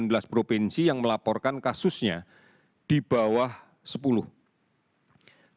di bawah sepuluh provinsi yang melaporkan kasusnya di bawah sepuluh provinsi